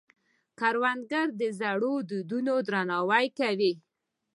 کروندګر د زړو دودونو درناوی کوي